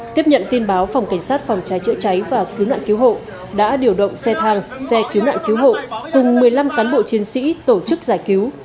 tiếp nhận tin báo phòng cảnh sát phòng cháy chữa cháy và cứu nạn cứu hộ đã điều động xe thang xe cứu nạn cứu hộ cùng một mươi năm cán bộ chiến sĩ tổ chức giải cứu